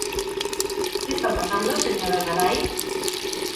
¿Que está pasando, señora Narai?